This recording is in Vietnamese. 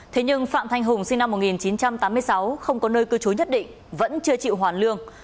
thế nhưng phạm thanh hùng sinh năm một nghìn chín trăm tám mươi sáu không có nơi cư trú nhất định vẫn chưa chịu hoàn lương